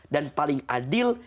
dan paling adil